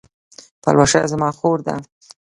پلوشه زما خور ده